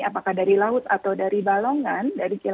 apakah dari laut atau dari balongan